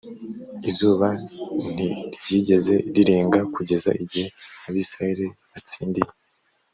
izuba ntiryigeze rirenga kugeza igihe abisirayeli batsindiye